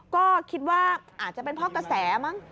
ก็คิดว่าอาจจะเป็นเพราะกระแสมั้ง